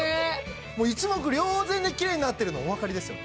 もう一目瞭然でキレイになってるのお分かりですよね？